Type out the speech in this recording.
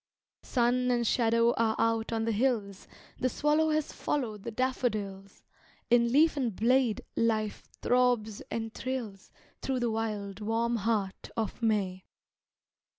Sun and shadow are out on the hills; The swallow has followed the daffodils; In leaf and blade, life throbs and thrills Through the wild, warm heart of May.